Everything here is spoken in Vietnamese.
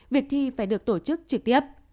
việc thi phải được tổ chức trực tiếp